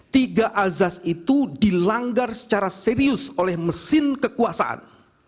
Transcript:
tiga azas itu dilanggar secara serius oleh mesin kekuasaan